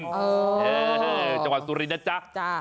จังหวัดสุรินะจ๊ะ